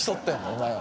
お前は。